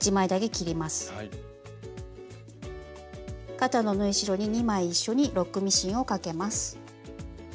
肩の縫い代に２枚一緒にロックミシンをかけます。